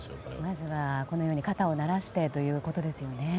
まずは、このように肩を慣らしてということですね。